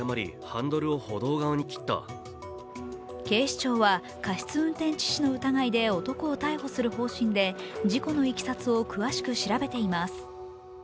警視庁は過失運転致死の疑いで男を逮捕する方針で事故のいきさつを詳しく調べています。